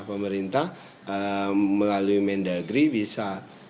pemerintah melalui mendagri bisa